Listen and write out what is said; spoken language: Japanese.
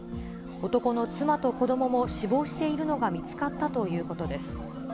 男の妻と子どもも死亡しているのが見つかったということです。